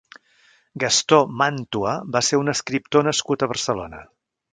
Gastó Màntua va ser un escriptor nascut a Barcelona.